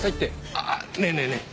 あっねえねえねえ